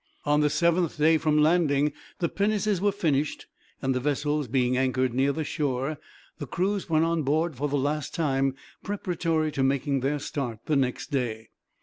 On the 7th day from landing the pinnaces were finished; and, the vessels being anchored near the shore, the crews went on board for the last time, preparatory to making their start the next day.